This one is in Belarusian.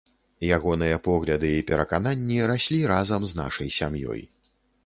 Ягоныя погляды і перакананні раслі разам з нашай сям'ёй.